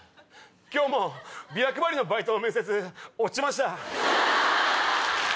今日もビラ配りのバイトの面接落ちました。